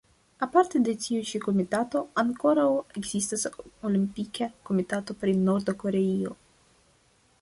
Aparte de tiu-ĉi komitato, ankoraŭ ekzistas Olimpika Komitato pri Norda Koreio.